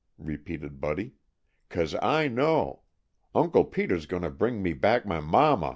repeated Buddy. "Cause I know! Uncle Peter's going to bring me back my mama."